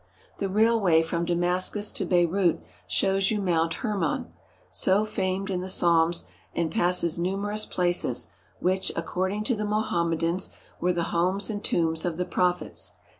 The railway from Damascus to Beirut shows you Mount Hermon, so famed in the Psalms, and passes numerous places, which, according to the Mohammedans, were the homes and tombs of the prophets.